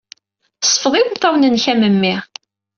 Sfeḍ imeṭṭawen-nnek, a memmi.